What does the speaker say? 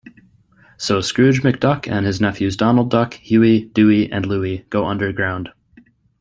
So Scrooge McDuck and his nephews Donald Duck, Huey, Dewey and Louie go underground.